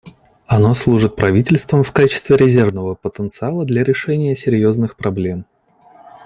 Оно служит правительствам в качестве резервного потенциала для решения серьезных проблем.